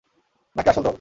নাকি আসল দল?